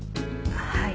はい。